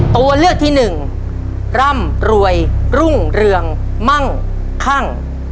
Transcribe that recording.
ตัวเลือกที่หนึ่งร่ำรวยรุ่งเรืองมั่งคั่ง